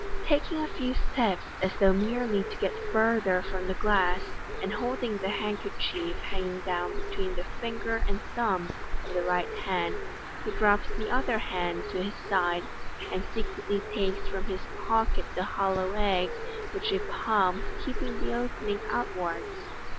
Taking a few steps, as though merely to get further from the glass, and holding the hand kerchief hanging down between the finger and thumb of the right hand, he drops the other hand to his side, and secretly takes from his pocket the hollow egg, which he palms, keeping the opening outwards.